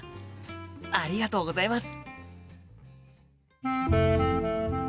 ありがとうございます！